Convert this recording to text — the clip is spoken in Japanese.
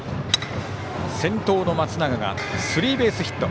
先頭の松永がスリーベースヒット。